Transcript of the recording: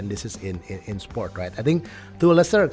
dan ini adalah dalam hal sport